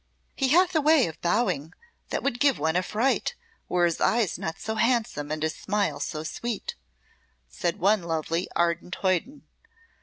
"He hath a way of bowing that would give one a fright, were his eyes not so handsome and his smile so sweet," said one lovely ardent hoyden.